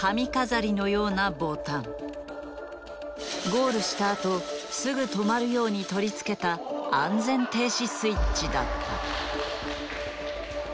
ゴールしたあとすぐ止まるように取り付けた安全停止スイッチだった。